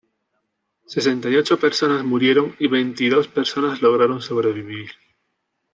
Sesenta y ocho personas murieron y veintidós personas lograron sobrevivir.